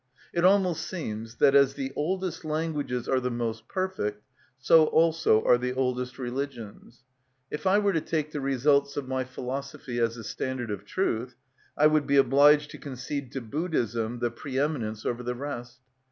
It almost seems that, as the oldest languages are the most perfect, so also are the oldest religions. If I were to take the results of my philosophy as the standard of truth, I would be obliged to concede to Buddhism the pre eminence over the rest.